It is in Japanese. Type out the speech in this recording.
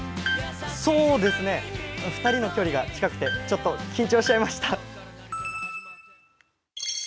そうですね、２人の距離が近くて、ちょっと緊張しちゃいました。